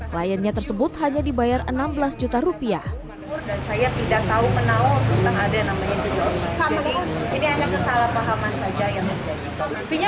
pelayanannya tersebut hanya dibayar enam belas juta rupiah saya tidak tahu menanggung ada namanya